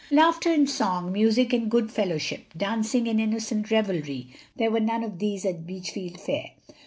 Laughter and song, music and good fellowship, dancing and innocent revelry, there were none of these at Beachfield Fair.